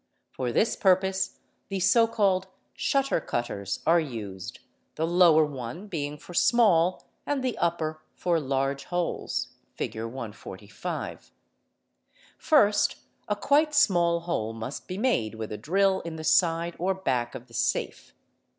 For this purpose the so called shutter cutters are used, the 4 } a4 740 THEFT lower one being for small and the upper for large holes, Fig. 145. First a quite small hole must be made with a drill in the side or back of the safe.